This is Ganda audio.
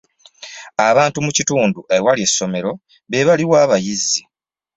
Abantu mu kitundu ewali essomero be baliwa abayizi.